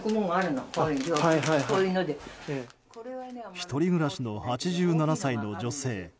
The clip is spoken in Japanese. １人暮らしの８７歳の女性。